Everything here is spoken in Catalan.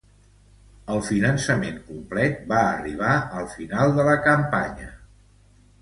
El finançament complet va arribar al final de la campanya.